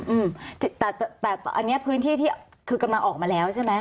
อืมแต่แต่อันเนี้ยพื้นที่ที่คือกำลังออกมาแล้วใช่ไหม